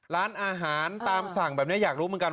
ร้านอาหารตามสั่งแบบนี้อยากรู้เหมือนกัน